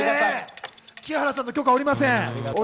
木原さんの許可が下りません。